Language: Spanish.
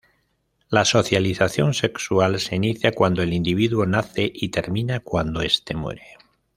La socialización sexual se inicia cuando el individuo nace y termina cuanto este muere.